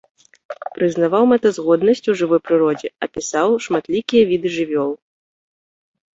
Прызнаваў мэтазгоднасць у жывой прыродзе, апісаў шматлікія віды жывёл.